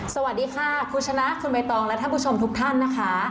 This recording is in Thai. สวัสดีค่ะคุณชนะคุณใบตองและท่านผู้ชมทุกท่านนะคะ